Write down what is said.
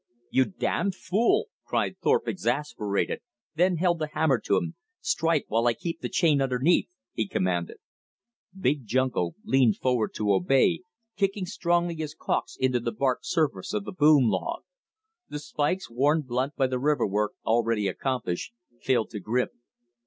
"You damned fool," cried Thorpe exasperated, then held the hammer to him, "strike while I keep the chain underneath," he commanded. Big Junko leaned forward to obey, kicking strongly his caulks into the barked surface of the boom log. The spikes, worn blunt by the river work already accomplished, failed to grip.